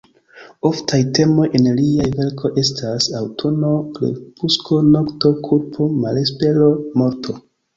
Oftaj temoj en liaj verkoj estas: aŭtuno, krepusko, nokto; kulpo, malespero, morto.